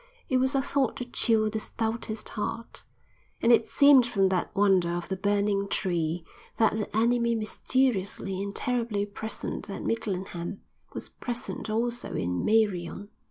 It was a thought to chill the stoutest heart. And it seemed from that wonder of the burning tree, that the enemy mysteriously and terribly present at Midlingham, was present also in Meirion.